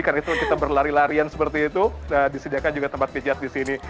karena itu kita berlari larian seperti itu disediakan juga tempat pijat di sini